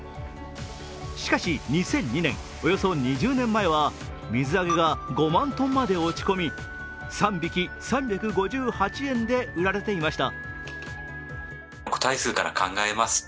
しかし、２００２年、およそ２０年前は水揚げが５万トンまで落ち込み３匹、３５８円で売られていました。